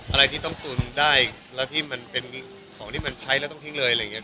อะไรที่ต้องตุนได้แล้วที่มันเป็นของที่มันใช้แล้วต้องทิ้งเลยอะไรอย่างนี้